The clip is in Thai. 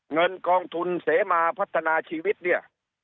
เงินกองทุนเสมาพัฒนาชีวิตเนี่ย